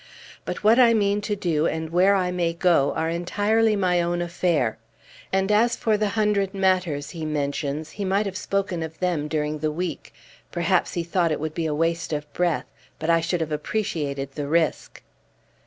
But what I mean to do and where I may go, are entirely my own affair. And as for the hundred matters he mentions, he might have spoken of them during the week. Perhaps he thought it would be waste of breath, but I should have appreciated the risk."